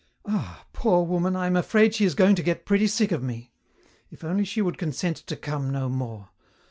"Ah, poor woman, I am afraid she is going to get pretty sick of me. If only she would consent to come no more!